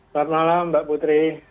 selamat malam mbak putri